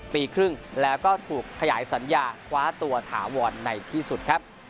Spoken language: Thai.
ปีครึ่งแล้วก็ถูกขยายสัญญาคว้าตัวถาวรในที่สุดครับ